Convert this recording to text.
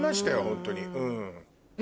ホントに。